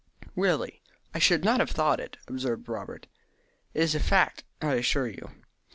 "Really, I should not have though it," observed Robert. "It is a fact, I assure you.